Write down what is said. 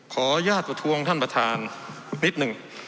ขอญาติประทวงท่านประธานนิดนึง